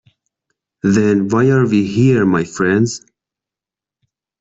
Then why are we here, my friends?